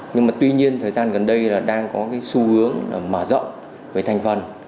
nhưng mà tuy nhiên thời gian gần đây là đang có cái xu hướng mở rộng về thành phần